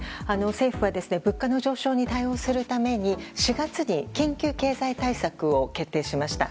政府は物価の上昇に対応するために４月に緊急経済対策を決定しました。